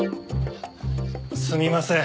すみません。